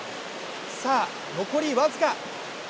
さあ、残り僅か。